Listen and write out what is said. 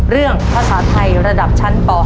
เรื่องภาษาไทยระดับชั้นป๕